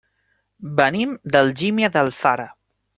Venim d'Algímia d'Alfara.